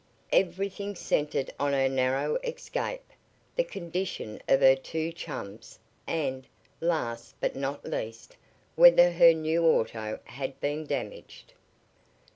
Everything centered on her narrow escape, the condition of her two chums, and, last, but not least, whether her new auto had been damaged.